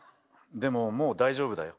でももう大丈夫だよ。